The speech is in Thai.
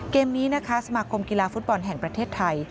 เกมนี้นะคะสมาคมกีฬาฟุตบอลแห่งประเทศไทย